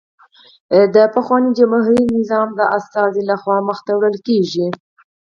د پخواني جمهوري نظام د استازي له خوا مخته وړل کېږي